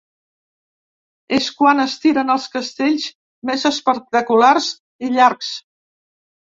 És quan es tiren els castells més espectaculars i llargs.